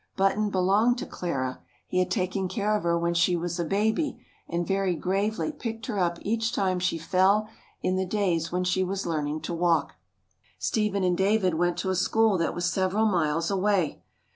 Button belonged to Clara. He had taken care of her when she was a baby, and very gravely picked her up each time she fell in the days when she was learning to walk. Stephen and David went to a school that was several miles away.